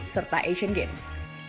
serta asian games